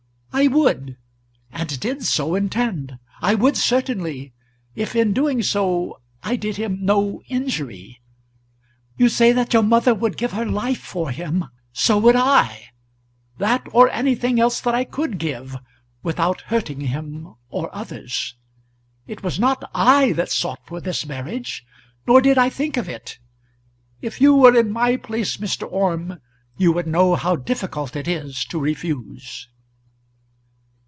"I would and did so intend. I would, certainly; if in doing so I did him no injury. You say that your mother would give her life for him. So would I; that or anything else that I could give, without hurting him or others. It was not I that sought for this marriage; nor did I think of it. If you were in my place, Mr. Orme, you would know how difficult it is to refuse."